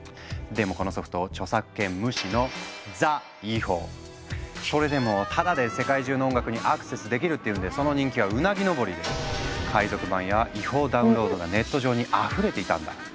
でもこのソフト著作権無視のそれでもタダで世界中の音楽にアクセスできるっていうんでその人気はうなぎ登りで海賊版や違法ダウンロードがネット上にあふれていたんだ。